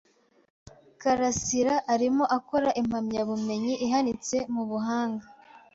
Karasiraarimo akora impamyabumenyi ihanitse mu buhanga.